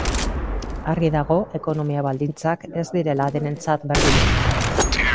Argi dago ekonomia baldintzak ez direla denentzat berdinak.